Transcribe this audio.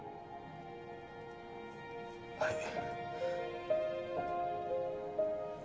はい。